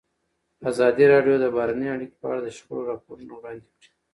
ازادي راډیو د بهرنۍ اړیکې په اړه د شخړو راپورونه وړاندې کړي.